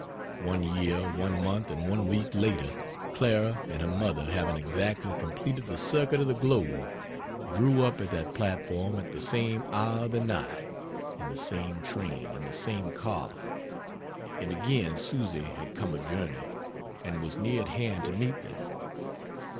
One year, one month, and one week later, Clara and her mother having exactly completed the circuit of the globe, drew up at that platform at the same hour of the night, in the same train and the same car and again Susy had come a journey and was near at hand to meet them.